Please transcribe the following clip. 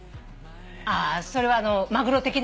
あそれはマグロ的なね。